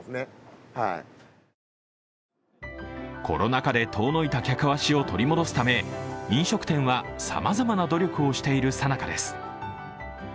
コロナ禍で遠のいた客足を取り戻すため飲食店は、さまざまな努力をしているさなかです。